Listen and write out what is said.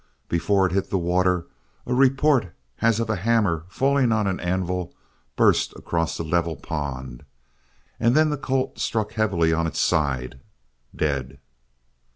Before it hit water a report as of a hammer falling on anvil burst across the level pond, and then the colt struck heavily on its side, dead.